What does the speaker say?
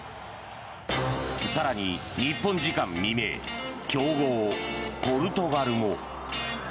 更に、日本時間未明強豪ポルトガルも。